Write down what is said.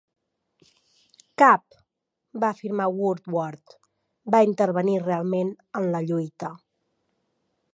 Cap, va afirmar Woordward, va intervenir realment en la lluita.